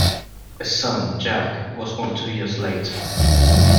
A son, Jack, was born two years later.